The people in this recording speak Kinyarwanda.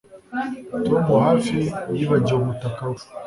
Tom hafi yibagiwe umutaka we